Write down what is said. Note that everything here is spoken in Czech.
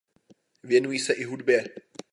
Věnují se i hudbě.